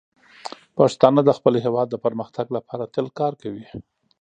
پښتانه د خپل هیواد د پرمختګ لپاره تل کار کوي.